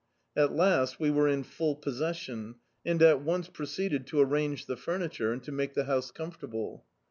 At last we were in full possession, and at oDce proceeded to arrange the furniture, and to make the house confortable.